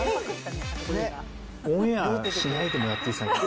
これ、オンエアしないでもらっていいですか。